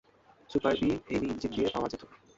Super bee hemi engine দিয়ে পাওয়া যেত।